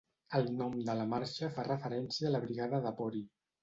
El nom de la marxa fa referència a la Brigada de Pori.